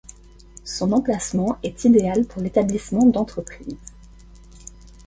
Son emplacement est idéal pour l'établissement d'entreprises.